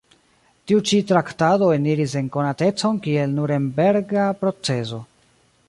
Tiu ĉi traktado eniris en konatecon kiel Nurenberga proceso.